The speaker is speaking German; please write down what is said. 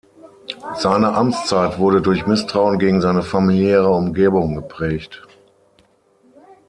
Seine Amtszeit wurde durch Misstrauen gegen seine familiäre Umgebung geprägt.